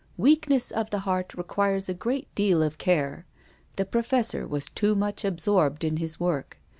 Weak ness of the heart requires a great deal of care. The Professor was too much absorbed in his work.